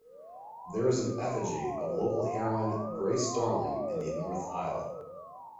There is an effigy of local heroine Grace Darling in the North Aisle.